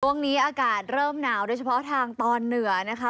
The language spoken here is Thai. ช่วงนี้อากาศเริ่มหนาวโดยเฉพาะทางตอนเหนือนะคะ